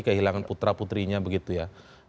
kehilangan putra putrinya begitu ya